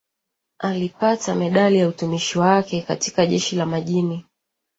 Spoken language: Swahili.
alipata medali ya utumishi wake katika jeshi la majini